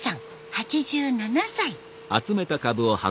８７歳。